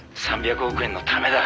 「３００億円のためだ。